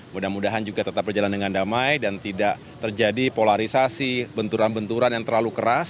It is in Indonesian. mudah mudahan juga tetap berjalan dengan damai dan tidak terjadi polarisasi benturan benturan yang terlalu keras